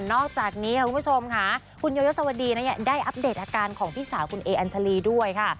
อกจากนี้ค่ะคุณผู้ชมค่ะคุณโยยศวดีได้อัปเดตอาการของพี่สาวคุณเออัญชาลีด้วยค่ะ